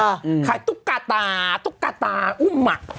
ที่ขายตุ๊กกะตาถูกกะตาอุ่นหมาค